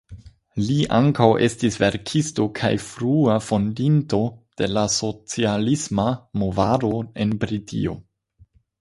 Li ankaŭ estis verkisto kaj frua fondinto de la socialisma movado en Britio.